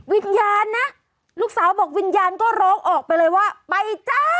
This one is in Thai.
วิญญาณนะลูกสาวบอกวิญญาณก็ร้องออกไปเลยว่าไปจ้า